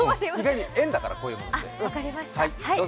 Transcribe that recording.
縁だから、こういうのは。